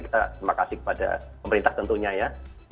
terima kasih kepada pemerintah tentunya ya